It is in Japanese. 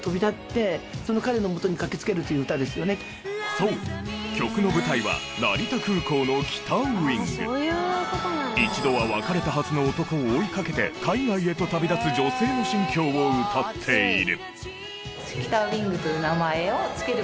そう曲の舞台は一度は別れたはずの男を追いかけて海外へと旅立つ女性の心境を歌っている。